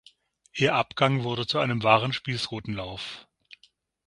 Ihr Abgang wurde zu einem wahren Spießrutenlauf.